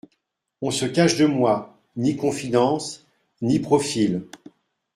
On se cache de moi : ni confidences, ni profils.